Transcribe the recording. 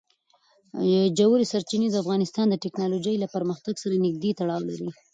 ژورې سرچینې د افغانستان د تکنالوژۍ له پرمختګ سره نږدې تړاو لري.